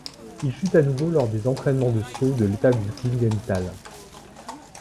Il chute à nouveau lors des entraînements de sauts de l'étape de Klingenthal.